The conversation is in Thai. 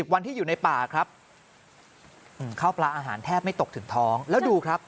วันที่อยู่ในป่าครับข้าวปลาอาหารแทบไม่ตกถึงท้องแล้วดูครับ